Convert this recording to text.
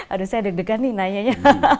aduh saya deg degan nih nanyanya